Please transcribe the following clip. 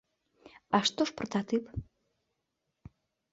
А што ж прататып?